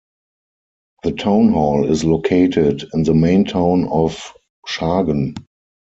The townhall is located in the main town of Schagen.